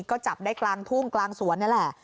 ก็จับได้กลางทุ่งกลางสวนนี่แหละ